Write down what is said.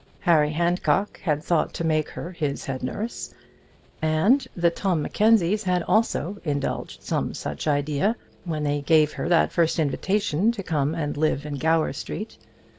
Harry Handcock had thought to make her his head nurse; and the Tom Mackenzies had also indulged some such idea when they gave her that first invitation to come and live in Gower Street.